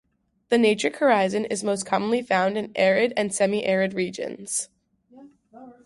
The natric horizon is most commonly found in arid and semiarid regions.